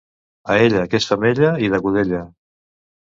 A ella, que és femella i de Godella!